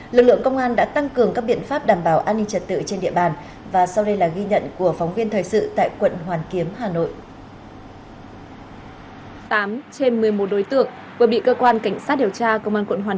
lực lượng công an đã tăng cường các biện pháp đảm bảo an ninh trật tự trên địa bàn